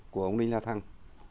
của ông đinh la thăng